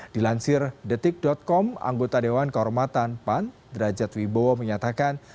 dilansir detik com anggota dewan kehormatan pan derajat wibowo menyatakan